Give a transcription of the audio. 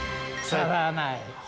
腐らない。